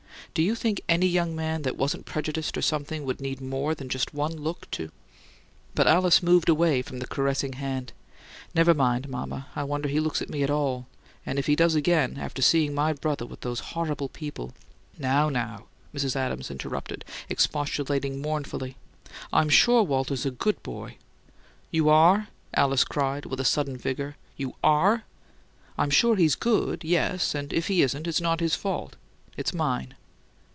Do you think any young man that wasn't prejudiced, or something, would need more than just one look to " But Alice moved away from the caressing hand. "Never mind, mama. I wonder he looks at me at all. And if he does again, after seeing my brother with those horrible people " "Now, now!" Mrs. Adams interrupted, expostulating mournfully. "I'm sure Walter's a GOOD boy " "You are?" Alice cried, with a sudden vigour. "You ARE?" "I'm sure he's GOOD, yes and if he isn't, it's not his fault. It's mine."